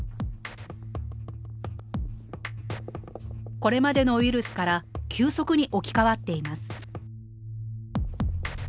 これまでのウイルスから急速に置き換わっています。